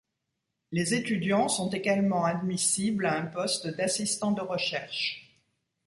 Les étudiants sont également admissibles à un poste d'assistant de recherche.